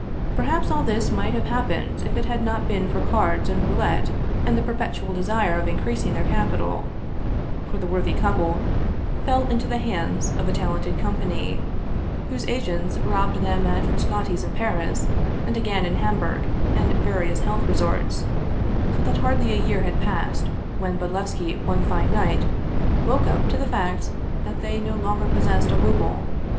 Perhaps all this might have happened if it had not been for cards and roulette and the perpetual desire of increasing their capital for the worthy couple fell into the hands of a 205 Russian Mystery Stories talented company, whose agents robbed them at Frascati's in Paris, and again in Hamburg and various health resorts, so that hardly a year had passed when Bodlevski one fine night woke up to the fact that they no longer possessed a ruble.